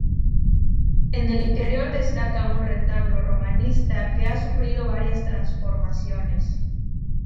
En el interior destaca un retablo romanista que ha sufrido varias transformaciones.